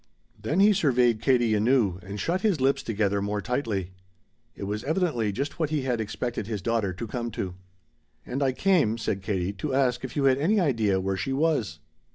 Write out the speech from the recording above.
Then he surveyed Katie anew and shut his lips together more tightly. It was evidently just what he had expected his daughter to come to. "And I came," said Katie, "to ask if you had any idea where she was."